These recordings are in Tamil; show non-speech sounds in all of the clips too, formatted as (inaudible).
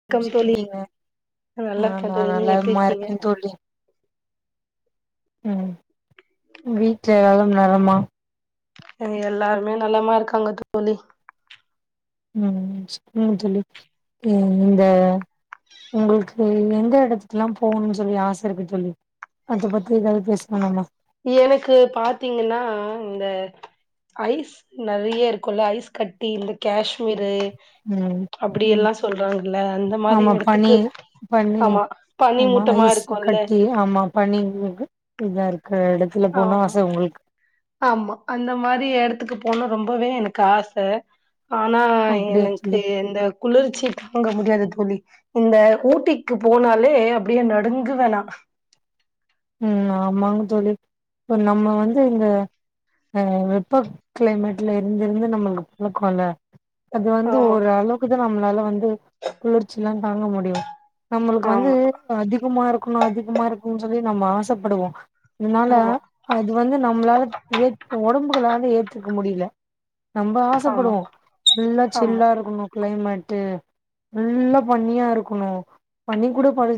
ஒரு க்கம் நிமிஷ தோழி பிடிங்க நல்லா அ இருக்கே நா தோழி நீங்க எப்டி நலமா இருக்கீங்க இருக்கே தோழி ம் வீட்டு எல்லா நலமா எல்லாருமே நலமா இருக்காங்க தோழி ம் தோழி இந்த உங்களுக்கு எந்த இடத்துக்கு எல்லா போகணும்னு சொல்லி ஆச இருக்கு தோழி அத பத்தி ஏதாவது பேசுனோ நம்ம எனக்கு பாத்தீங்கன்னா இந்த ஐஸ் நெறைய இருக்கும்ல ஐஸ் கட்டி இந்த காஷ்மீரு ம் அப்டி ம் எல்லா சொல்றாங்கல்ல அந்த மாரி ஆமா பனி எடத்துக்கு பனி ஆமா பனி ஆமா மூட்டமா ஐஸ் இருக்குல்ல கட்டி ஆமா பணி உங்களுக்கு இதா இருக்கு எடத்துல போன ஆமா ஆச உங்களுக்கு ஆமா அந்த மாரி எடத்துக்கு போணு ரொம்பவே எனக்கு ஆச ஆனா அப்டியா தோழி எனக்கு இந்த குளிர்ச்சி தாங்க முடியாது தோழி இந்த ஊட்டிக்கு போனாலே அப்டியே நடுங்கு வேணா ம் ஆமாங் தோழி இப் நம்ம வந்து இந்த அ வெப்ப கிளைமேட்ல இருந்திருந்து நம்மளுக்கு பழக்கோ ல்ல அது வந்து ஆமா ஒரு அளவுக்குதா நம்மளால வந்து குளிர்ச்சி எல்லா தாங்க முடியு நம்மளுக்கு வந்து ஆமா அதிகமா இருக்கணு அதிகமா இருக்குனு சொல்லி நம்ம ஆசப்படுவோ அன்னால ஆமா அது வந்து நம்மளால ஏத்துக் ஒடம்புகளால ஏத்துக்க முடியல நம்ப ஆமா ஆசப்படுவோ ஃபுல்லா ஆமா சில்லா இருக்கணு கிளைமேட்டு நல்லா பண்ணியா இருக்கணு பண்ணி கூட படு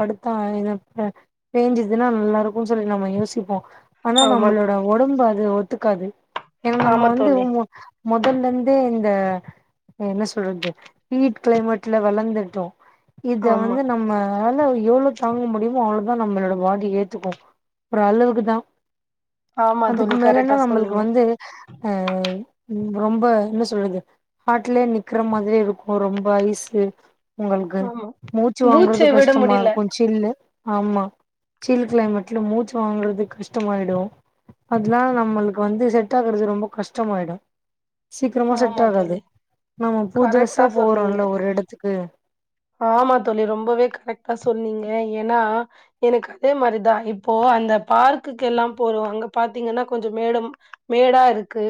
படுத்தா அ எங்கப் பேஞ்சுதுன்னா நல்லா இருக்கு சொல்லி நம்ம யோசிப்போ ஆனா ஆமா நம்மளோட ஒடம்பு அது ஒத்துக்காது ஏன்னா நம்ம ஆமா வந்து தோழி முதல்ல இருந்தே இந்த என்ன சொல்றது ஹீட் கிளைமேட்ல வளர்ந்துட்டோ இத ஆமா வந்து நம்ம ஆல எவ்ளோ தாங்க முடியுமோ அவ்ளோ அப்ப நம்மளோட பாடி ஏத்துக்கு அப்புறோ அளவுக்கு தா ஆமா அதுக்கு தோழி மேலன்னா கரெக்டா நம்மளுக்கு சொன்னீங்க வந்து அ ரொம்ப என்ன சொல்லுது ஆட்டுலயே நிக்கிற மாதிரி இருக்கு ரொம்ப அய்சு உங்களுக்கு ஆமா மூச்சு வாங்குறது மூச்சை விட கஷ்டமா முடியல இருக்கு சில்லு ஆமா சில் கிளைமேட்ல மூச்சு வாங்கறது கஷ்டமாயிடு அத்னால நம்மளுக்கு வந்து செட் ஆக்குறது ரொம்ப கஷ்டமாயிடு சீக்ரமா செட் ஆமா ஆகாது தோழி நம்ம கரெக்டா புதுசா சொன்னீங்க போறோல்ல ஒரு எடத்துக்கு ஆமா தோழி ரொம்பவே கரெக்டா சொன்னீங்க ஏன்னா எனக்கு அதே மாரிதா இப்போ அந்த பார்க்குகு எல்லா போறோ அங்க பாத்தீங்கனா கொஞ்ச மேடும் மேடா இருக்கு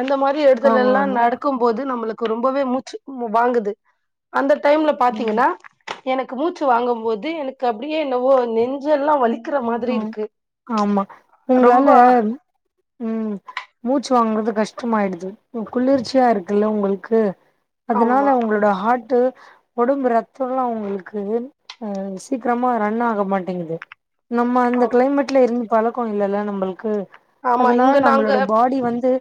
அந்த மாரி இடத்துல ஆமா எல்லா ஆமா நடக் க்கும் போது நம்மளுக்கு ரொம்பவே மூச்சு வாங்குது அந்த டைம்ல ம் பாத்தீங்கனா எனக்கு மூச்சு வாங்கம் போது எனக்கு அப்டியே என்னவோ நெஞ்செல்லா வலி ம் ஆமா உங்களால ரொம்ப ம் மூச்சு வாங்கும் போது கஷ்டமாயிடுது இப்போ குளிர்ச்சியா இருக்குல்ல உங்களுக்கு ஆமா அதுனால உங்களோட ஹார்ட்டு உடம்பு ரத்தோல்லா உங்களுக்கு ஆ சீக்ரமா ரன் ஆக மாட்டேங்குது நம்ம அந்த ஆமா கிளைமேட்ல இருந்து பழக்கோ இல்லல்ல நம்மளுக்கு ஆமா அதுனால இங்க நாங்க நம்மளோட பாடி வந்து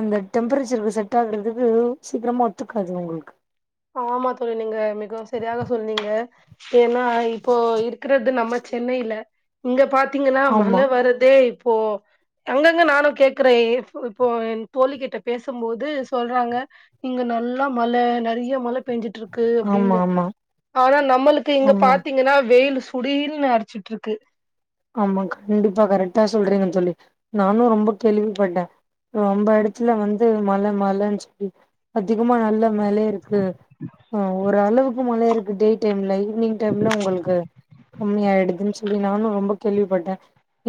அந்த டெம்பரேச்சருக்கு செட் ஆகுறதுக்கு சீக்கிரமா ஒத்துக்காது உங்களுக்கு ஆமா தோழி நீங்க மிகவு சரியாக சொன்னீங்க ஏன்னா இப்போ இருக்றது நம்ம சென்னையில இங்க பாத்தீங்கனா மழ ஆமா வரதே இப்போ அங்கங்க நானு கேக்குறே இப்போ என் தோழி கிட்ட பேசும்போது சொல்றாங்க இங்க நல்லா மழ நெறையவ் மழ பெஞ்சிட்டுருக்கு ஆமா அப்டின்னு ஆமா ஆனா நம்மளுக்கு இங்க ஆமா பாத்தீங்கன்னா வெயிலு சுலிருனு அடுச்சுக்கிட்டு இருக்கு ஆமா கண்டிப்பா கரெக்டா சொல்றீங்க தொல்லி நானு ரொம்ப கேள்விப்பட்டே ரொம்ப இடத்துல வந்து மழ மழன்னு சொல்லி அதிகமா நல்லா மலே இருக்கு ஆ ஒரு அளவுக்கு மழயா இருக்கு டே டைம்லை ஈவினிங் டைம்ல உங்களுக்கு கம்மி ஆயிடுதுன்னு சொல்லி நானு ரொம்ப கேள்விப்பட்டே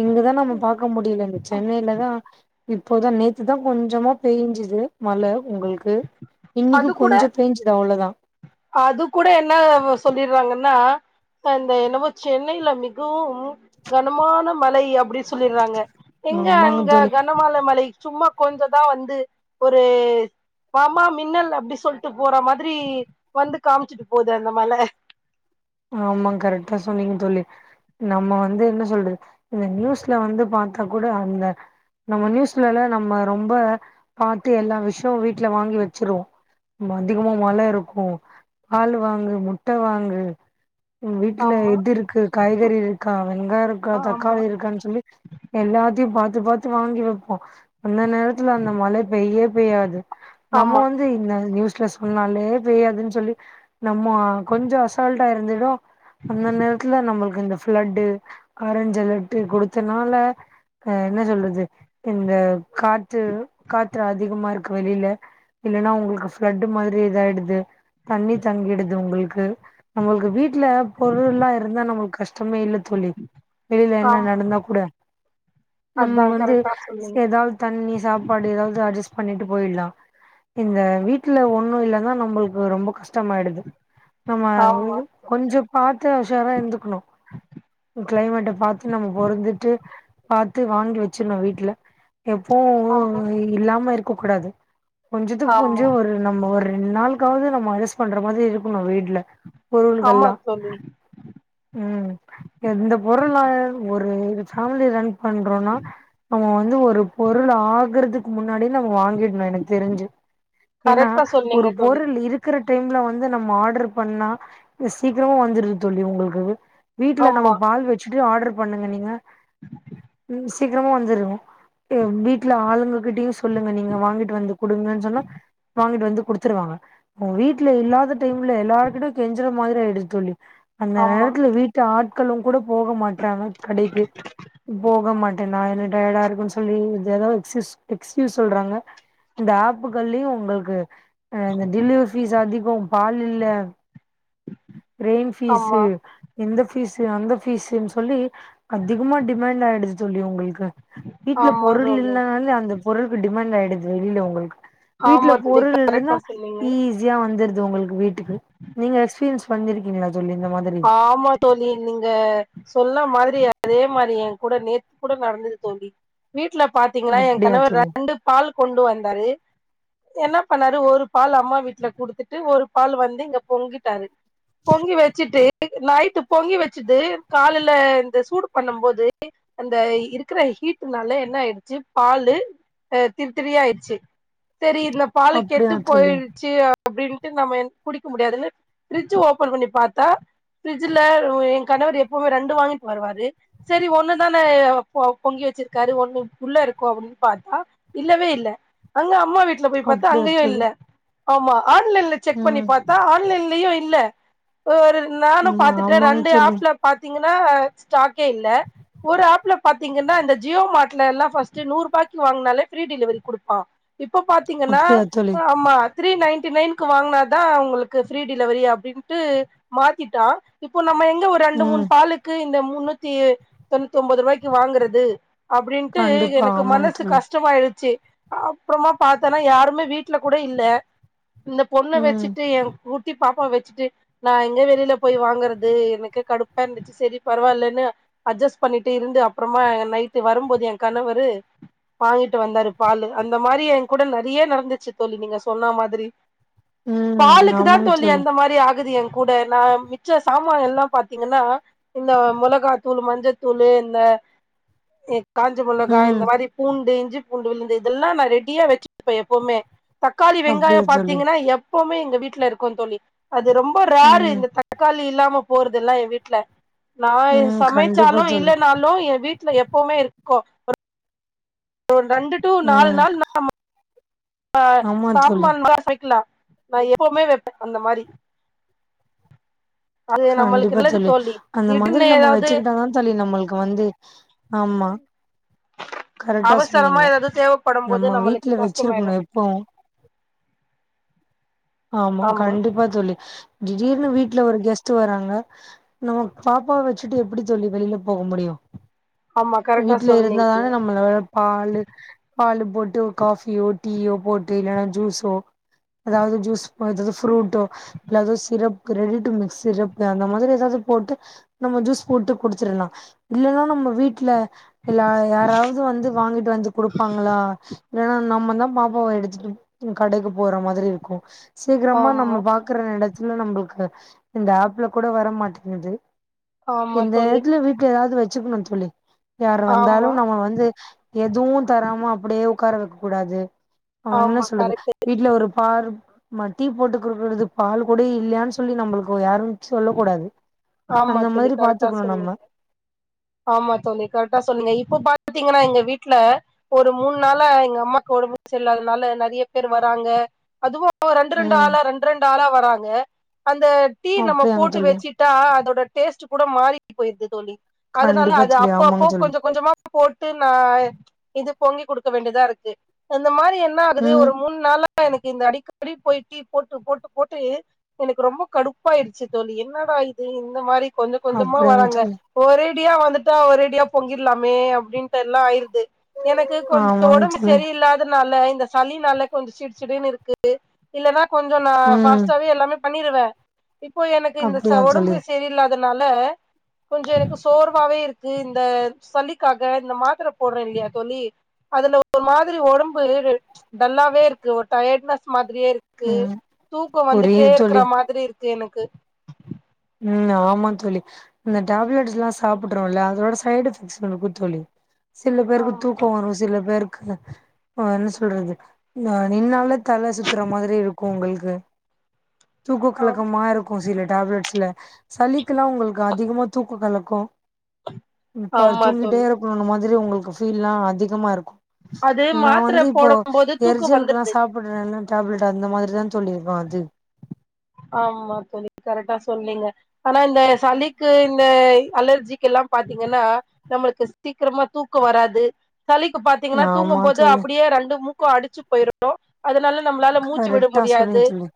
இங்கதா நம்ம பாக்க முடில இந்த சென்னையிலதா இப்போதா நேத்துதா கொஞ்சமா பெய்ஞ்சுது மழ உங்களுக்கு இன்னைக்கு அது கூட கொஞ்சோ பேஞ்சுது அவ்ளோதா அது கூட என்ன சொல்லிட்றாங்கன்னா அந்த என்னமே சென்னையில மிகவும் கனமான மழை அப்டி சொல்லிட்றாங்க எங்க ஆமாங்க அங்க தோழி கனமான மழை சும்மா கொஞ்சதா வந்து ஒரு வாமா மின்னல் அப்டி சொல்ட்டு போற மாதிரி வந்து காமிச்சுட்டு போது அந்த மழை ஆமா கரெக்டா சொன்னிங்க தோழி நம்ம வந்து என்ன சொல்றது இந்த நியூஸ்ல வந்து பாத்தா கூட அந்த நம்ம நியூஸ்லலா நம்ம ரொம்ப பாத்து எல்லா விஷயமு வீட்ல வாங்கி வச்சிருவோ அதிகமா மழை இருக்கு பால் வாங்கு முட்ட வாங்கு வீட்ல ஆமா இது இருக்கு காய்கறி இருக்கா வெங்காய இருக்கா ஆமா தக்காளி இருக்கான்னு சொல்லி எல்லாத்தையு பாத்து பாத்து வாங்கி வைப்போ அந்த நேரத் துல அந்த மழை பெய்யே பெய்யாது நம்ம ஆமா வந் து இந்த நியூஸ்ல சொன்னாலே போயாதுன்னு சொல்லி நம்ம கொஞ்சோ அசால்டா இருந்துடு அந்த நேரத்துல நம்மளுக்கு இந்த பிளட்டு ஆரஞ்சு அலெர்ட்டு குடுத்தனால அ என்ன சொல்றது இந்த காற்று காற்று அதிகமா இருக்கு வெளில இல்லன்னா உங்களுக்கு ஃப்ளட்டு மாதிரி இதாயிடுது தண்ணி தங்கிடுது உங்களுக்கு நம்மளுக்கு வீட்ல பொருள்ல்லா இருந்தா நம்மளுக்கு கஷ்டமே இல்ல தோழி வெளில என்ன ஆமா நடந்தா கூட நம்ம அதா வந்து கரெக்டா சொன்னீங்க ஏதாவது தண்ணி சாப்பாடு ஏதாவது அட்ஜஸ்ட் பண்ணிட்டு போயிட்லா இந்த வீட்ல ஒண்ணு இல்லன்னா நம்பளுக்கு ரொம்ப கஷ்டமாயிடுது நம்ம ஆமா கொஞ்சோ பாத்து உஷாரா இருந்து க்னு கிளைமேட்ட பாத்து நம்ம பறந்துட்டு பாத்து வாங்கி வச்சிட்னு வீட்ல எப்போவு ஆமா இல்லாம இருக்க கூடாது கொஞ்சத்துக்கு ஆமா கொஞ்சோ ஒரு நம்ம ஒரு ரெண்டு நாளுக்காவது நம்ம அட்ஜஸ்ட் பண்ற மாதிரி இருக்கணு வீட்ல ஆமா பொருள்கள்லா தோழி ம் எந்த பொருளா ஒரு ஃபேமிலி ரன் பண்றோனா நம்ம வந்து ஒரு பொருள் ஆகுறதுக்கு முன்னாடி நம்ம வாங்கிட் னு எனக்கு தெரிஞ்சு ஏன்னா கரெக்டா சொன்னீங்க ஒரு தோழி பொருள் இருக் குற டைம்ல வந்து நம்ம ஆடர் பண்ணா சீக்கரமா வந்துருது தோழி உங்களுக்கு வீட்ல நம்ம ஆமா பால் வச்சுட்டு ஆர்டர் பண்ணுங்க நீங்க ம் சீக்கிரமா வந்துரு, எ வீட்ல ஆளுங்க கிட்டயு சொல்லுங்க நீங்க வாங்கிட்டு வந்து குடுங்கன்னு சொன்னா வாங்கிட்டு வந்து குடுத் துருவாங்க அவங்க வீட்ல இல்லாத டைம்ல எல்லாருக்கிட்டயு கெஞ்சிற மாதிரி ஆயிடுது தோழி அந்த ஆமா நேரத்துல வீட்டு ஆட்களு கூட போக மாட்றாங்க கடைக்கு போக மாட் டே நா எனக்கு டயடா இருக்குன்னு சொல்லி எது ஏதோ எக்ஸ் எக்ஸ்க்யூஸ் சொல்றாங்க இந்த ஆப்புகள்லயு உங்களுக்கு அ இந்த டிலிவரி ஃபீஸ் அதிகோ பால் இல்ல ரெயின் ஃபீஸு ஆமா இந்த ஃபீஸ்ஸு அந்த ஃபீஸ்ஸுன்னு சொல்லி அதிகமா டிமாண்ட் ஆயிடுது தோழி உங்களுக்கு அ வீட்ல ஆமா பொருள் தோழி இல்லனாலே அந்த பொருள்க்கு டிமாண்ட் ஆயிடுது வெளில உங்களுக்கு வீட்ல ஆமா தோழி பொருள் இருந்தா கரெக்டா சொன்னீங்க ஈ ஸியா வந்துருது உங்களுக்கு வீட்டுக்கு நீங்க எக்ஸ்பீரியன்ஸ் பண்ணிருக்கீங்ளா தோழி இந்த மாதிரி ஆமா தோழி நீங்க சொன்ன மாரி அதே மாரி எங்கூட நேத்து கூட நடந்துது தோழி வீட்ல பாத்லிங்ல்லா எ அப்டியா கணவர் தோழி ரெண்டு பால் கொண்டு வந்தாரு என்ன பண்ணாரு ஒரு பால் அம்மா வீட்ல குடுத்துட்டு ஒரு பால் வந்து இங்க பொங்கிட்டாரு பொங்கி வச்சிட்டு நைட்டு பொங்கி வச்சிட்டு காலைல இந்த சூடு பண்ணு போது அந்த இருக்குற ஹீட்டுனால என்ன ஆயிடுச்சு பாலு அ திரித்திரியாயிடுச்சு சரி இந்த பாலு அப்டியா கெட்டு தோழி பொயிற் ச்சு அப்டின்ட்டு நம்ம குடிக்க முடியாதுன்னு ஃபிரிட்ஜ் ஓபன் பண்ணி பாத்தா ஃப்ரிட்ஜ்ல எ கணவர் எப்பவுமே ரெண்டு வாங்கிட்டு வருவாரு சரி ஒண்ணு தான பொ பொங்கி வச்சிருக்காரு ஒண்ணு உள்ள இருக்கு அப்டின்னு பாத்தா இல்லவே இல்ல அங்க அம்மா வீட்ல போய் பாத்தா அப்டியா அங்கயு தோழி இல்ல ஆமா ஆன்லைன்ல செக் பண்ணி ம் பாத்தா ஆன்லைன்லியு இல்ல ஒரு நானு ம் பாத்துட்ட ஆமாங்க ரெண்டு தோழி ஆப்ல பாத்திங்கன்னா ஸ்டாக்கே இல்ல ஒரு ஆப்ல பாத்திங்கன்னா இந்த ஜியோ மாட்லல்லா ஃபஸ்ட் நூர் ருபாய்க்கு வாங்குனாலே ஃப்ரீ டிலிவரி குடுப்பா இப்ப பாத்லிங்கன்னா அப்டியா தோழி ஆமா த்ரீ நைன்டி நைன்க்கு வாங்குனாதா உங்களுக்கு ஃப்ரீ டிலவரி அப்டின்ட்டு மாத்திட்டா இப்போ நம்ம எங்க ரெண்டு மூணு ம் பாலுக்கு இந்த முன்னூத்தி தொண்ணூத்தி ஒன்பது ருபாய்க்கு வாங்குறது அப்டின்ட்டு கண்டிப்பா எனக்கு ஆமாங்க மனசு தோழி கஷ் டமாய்டுச்சு அப்றமா பாத்தோன்னா யாருமே வீட்ல கூட இல்ல இந்த பொண்ண ம் வச்சிட்டு எ குட்டி பாப்பா வச்சிட்டு நா எங்க வெளியில போய் வாங்குறது எனக்கு கடுப்பா இருந்துச்சு சரி பரவால்லன்னு அட்ஜஸ்ட் பண்ணிட்டு இருந்து அப்றமா நைட்டு வரும்போது எ கணவரு வாங்கிட்டு வந்தாரு பாலு அந்த மாரி எ கூட நெறைய நடந்துச்சு தோழி நீங்க சொன்னா மாதிரி ம் பாலுக்குதா ஆமாங்க தோழி அந்த மாரி ஆகுது எங் கூட நா மிச்ச சாமா எல்லா பாத்திங்கன்னா இந்த மொளகாத்தூள் மஞ்சத்தூளு இந்த எ காஞ்ச மொளகா இந்த ம் மாரி பூண்டு இஞ்சி பூண்டு விழுந்து இதெல்லா நா ரெடியா வெச்சிட்ருப்ப எப்போவ்மே தக்காளி வெங்காயோ அப்டியா தோழி பாத்திங்கன்னா எப்பவுமே எங்க வீட்ல இருக்கு தோழி அது ரொம் ப ரேரு ம் இந்த தக்காளி இல்லாம போறதுல்லா ஏ வீட்ல நா எ ம் கண்டிப்பா சமச்சாலு தோழி இல்லனாலு ஏ வீட்ல எப்பவுமே இருக்கு ஒ ரெண்டு டு நாலு ம் நாள் நா மட்டு ஆமா தோழி (unintelligible) சமைக்கல நா எப்போமே வெப்ப அந்த மாரி அது நம்மளுக்கு கண்டிப்பா நல்லது தோழி அந்த மாதிரி திடீர்னு நம்ம ஏதாவது வச்சுக்கிட்டா தா தோழி நம்மளுக்கு வந்து ஆமா கரெக்டா அவசரமா சொன்னீங்க எதாது தேவப்படு போது நம்ம நம்மளுக்கு வீட்ல கஷ்டமாயிடு (unintelligible) ஆமா கண்டிப்பா தோழி திடீர்னு வீட்ல ஒரு கெஸ்ட்டு வராங்க நம்ம பாப்பாவ வச்சுட்டு எப்டி தோழி வெளில போக முடியு ஆமா கரெக்டா வீட்ல இருந்தா சொன்னீங்க தானே நம்மள பாலு பால் போட்டு காஃபியோ டீயோ போட்டு இல்லனா ஜூஸோ எதாவ்து ஜூஸ் மாரி ஃப்ரூட்டோ இல்லாது syrup ready to mix syrup அந்த மாதிரி ஏதாது போட்டு நம்ம ஜூஸ் போட்டு குடுச்சிர்லா இல்லனா நம்ம வீட்ல இல்ல யாராவ்து வந்து வாங்கிட்டு வந்து குடு ப்பாங்ளா இல்லனனா நம்மதா பாப்பாவ எடுத்துட்டு கடைக்கு போற மாதிரி இருக்கு சீக்ரமா நம்ம ஆமா பாக்குற எடத்துல நம்ளுக்கு இந்த ஆப்ல கூட வர மாட்டேங்குது ஆமா எந்த தோழி நேர்த்லியு வீட்ல எதாவ்து வெச்சுக்குணு தோழி யார் வந்தாலு ஆமா நம்ம வந்து எதுவு தராம அப்டியே உக்கார வெக்க கூடாது அவுங்க என்ன ஆமா சொல்றது கரெக்ட் வீட்ல ஒரு பார் மா டீ போட்டுக்குடுக்கறதுக் பாலு கூட இல்லயான் சொல்லி நம்பளுக்கு யாரு சொல்ல கூடாது ஆமா அந்த தோழி மாதிரி கரெக்டா பாத்துக்கணு நம்ம சொன்னீங்க ஆமா தோழி கரெக்ட்டா சொன்னீங்க இப்ப பாத்தீங்கன்னா எங்க வீட்ல ஒரு மூண் நாளா எங்க அம்மாக்கு ஒடம்பு செரில்லாதனால நெறய பேரு வராங்க அதுவு ரெண்ட் ரெண்டு ம் ஆளா ரெண்ட் ரெண்டு ஆளா வராங்க அந்த டீ நம்ம அப்படியாங்க போட்டு தோழி வெச்சி ட்டா அதோட டேஸ்ட்டு கூட மாறி போயிர்து தோழி அதுனால கண்டிப்பா அது தோழி அப்போ அப்போ ஆமாங்க தோழி கொஞ்ச கொஞ்சமா போட்டு நா இது பொங்கி குடுக்க வேண்டியதா இருக்கு இந்த மாரி என்னாகுது ம் ஒரு மூண் நாளா எனக்கு இந்த அடிக்கடி போய் டீ போட்டு போட்டு போட்டு எனக்கு ரொம்ப கடுப்பாய்டுச்சி தோழி என்னடா இது இந்த மாரி கொஞ்ச கொஞ்சமா அப்படியாங்க வராங்க தோழி ஒரே அடியா வந்துட்டா ஒரேடியா பொங்கிர்லாமே அப்டின்ட்டெல்லா ஆய்ருது எனக்கு கொஞ்ச ஆமாங்க ஒடம்பு தோழி செரியில்லாதனால இந்த சளினால கொஞ்ச சிடு சிடுனுருக்கு இல்லன்னா கொஞ்சோ நா ம் ஃபாஸ்ட்டாவே எல்லாமே பண்ணிருவே இப்ப எனக்கு இந்த ச அப்படியா ஒடம் தோழி செரில்லாதனால கொஞ்ச எனக்கு சோர்வாவே இருக்கு இந்த சளிக்காக இந்த மாத்தர போட்றே இல்லியா தோழி அதுல ஒரு மாதிரி ஒடம்பு டல்லாவே இருக்கு ஒரு டயட்னஸ் மாதிரியே இருக் கு ம் தூக்கோ வந்துட்டே புரியுது தோழி இருக்கற மாதிரி இருக்கு எனக்கு ம் ஆமா தோழி இந்த டேப்லெட்ஸுல்லா சாப்புட்றோல்ல அதோட சைட் எஃபெக்ட்ஸ் இருக்கு தோழி சில பேருக்கு ஆம் தூக் கோ வரு சில பேருக்கு அ என்ன சொல்றது அ நின்னாலே தல சுத்துற மாதிரி இருக்கு உங்கள்க்கு தூக்க ஆம். கலக்கமா இருக்கு சில டேப்லெட்ஸ் ல சளிக்கில்லா உங்கள்க்கு அதிகமா தூக்க கலக்கோ ப் பாரு ஆமா தூங்கிட்டே தோழி இரு க்கோணு மாதிரி உங்கள்க்கு ஃபீல்லா அதிகமா இருக்கு அது நா மாத்திர வந்து இப்போ போடும் போது தூக்கோ எரிச்சலுக்குலா வந்துருது சாப் பட்றல்ல டேப்லெட் அந்த மாதிரி தா தோழி இருக்கு அது ஆமா தோழி கரக்ட்டா சொன்னீங்க ஆனா இந்த சளிக்கு இந்த இ அலர்ஜிக்கெல்லா பாத்தீங்கனா நம்ளுக்கு சீக்கரமா தூக்கோ வராது சளிக்கு பாத்தீங்கனா ஆமா தூங்கும் போது தோழி அப்பிடியே ரெண்டு மூக்கு அடச்சு போய்ரு டோ அதுனால நம்ளால மூச்சு விட கரெக்டா சொன்னீங்க முடியாது தோழி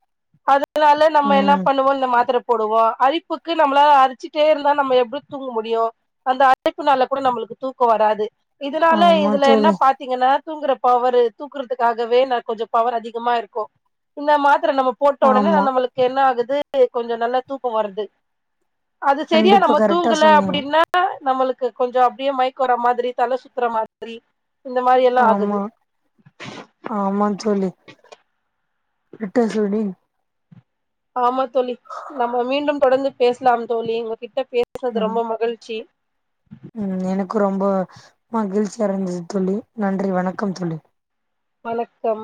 அதுனாலே நம்ம என்னா ம் பண்ணுவோ இந்த மாத்தர போடுவோ அரிப்புக்கு நம்ளால அரிச்சிட்டே இருந்தா நம்ம எப்டி தூங்க முடியு அந்த அரிப்புனால கூட நம்ளுக்கு தூக்கோ வராது இதுனால ஆமா இதுல என்ன தோழி பாத் தீங்கனா தூங்குற பவரு தூக்குறத்துக்காகவே நா கொஞ்சோ பவர் அதிகமா இருக்கு இந்த மாத்தர நம்ம போட்ட உடனே ஆமா நம்மளுக்கு என்ன ஆகுது கொஞ்ச நல்லா தூக்கோ வருது அது செரியா கண்டிப்பா நம்ம கரெக்டா தூங்கல சொன்னீங்க அப்பிடின்னா நம்மளுக்கு கொஞ்சோ அப்டியே மயக்கோ வர மாதிரி தல சுத்தற மாதிரி இந்த மாரி எல்லா ஆகுது ஆமா ஆமாங் தோழி கரெக்ட்டா சொன்னீங் ஆமா தோழி நம்ம மீண்டும் தொடர்ந்து பேஸ்லாம் தோழி உங்ககிட்ட பேஸ்னது ம் ரொம்ப மகிழ்ச்சி ம் எனக்கு ரொம்ப மகிழ்ச்சியா இருந்துச்சு தோழி நன்றி வணக்கம் தோழி வணக்கம்